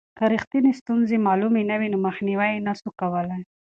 که رښتینې ستونزې معلومې نه وي نو مخنیوی یې نسو کولای.